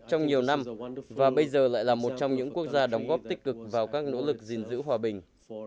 trong nhiều năm và bây giờ lại là một trong những quốc gia đóng góp tích cực vào các nỗ lực gìn giữ hòa bình